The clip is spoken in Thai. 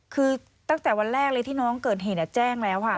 คือตั้งแต่วันแรกเลยที่น้องเกิดเหตุแจ้งแล้วค่ะ